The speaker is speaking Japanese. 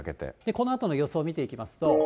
このあとの予想を見ていきますと。